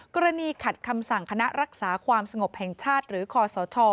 กรณีขัดคำสั่งคณะรักษาความสงบแห่งชาติหรือคอสช